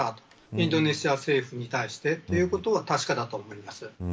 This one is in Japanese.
インドネシア政府に対してということは確かだと思います。